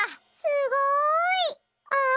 すごい！あ！